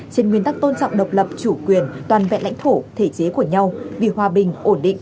trên nguyên tắc tôn trọng độc lập chủ quyền toàn vẹn lãnh thổ thể chế của nhau vì hòa bình ổn định